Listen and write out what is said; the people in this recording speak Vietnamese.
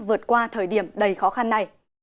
vượt qua thời điểm đầy khó khăn này